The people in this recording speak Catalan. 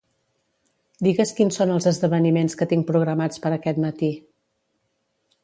Digues quins són els esdeveniments que tinc programats per aquest matí.